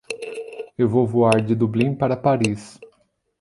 Eu vou voar de Dublin para Paris.